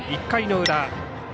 １回の裏。